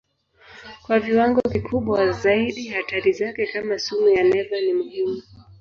Kwa viwango kikubwa zaidi hatari zake kama sumu ya neva ni muhimu.